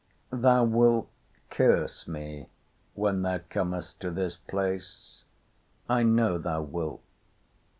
Thou wilt curse me when thou comest to this place. I know thou wilt.